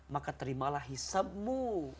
maka terimalah hisabmu